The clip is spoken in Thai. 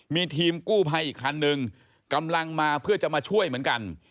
มีทีมกู้ภัยอีกคันนึงกำลังมาเพื่อจะมาช่วยเหมือนกัน